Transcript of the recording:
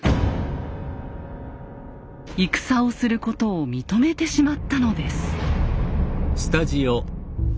戦をすることを認めてしまったのです。